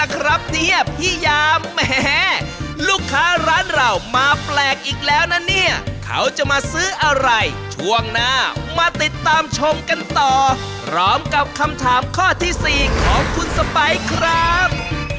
ครับเนี่ยพี่ยามแหมลูกค้าร้านเรามาแปลกอีกแล้วนะเนี่ยเขาจะมาซื้ออะไรช่วงหน้ามาติดตามชมกันต่อพร้อมกับคำถามข้อที่๔ของคุณสไปครับ